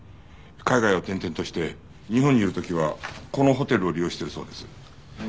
海外を転々として日本にいる時はこのホテルを利用してるそうです。